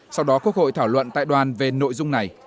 sau đó quốc hội thảo luận tại đoàn về nội dung này